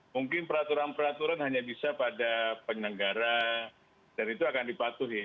mungkin peraturan peraturan hanya bisa pada penyelenggara dan itu akan dipatuhi